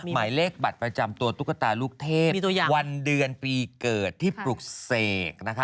หมายเลขบัตรประจำตัวตุ๊กตาลูกเทพวันเดือนปีเกิดที่ปลุกเสกนะคะ